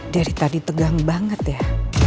dari tadi tegang banget ya